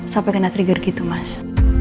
sampai kena trigger gitu mas